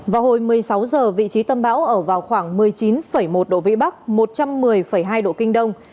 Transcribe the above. vào hồi một mươi sáu h vị trí tâm bão ở vào khoảng một mươi chín một độ vĩ bắc một trăm một mươi hai độ kinh đông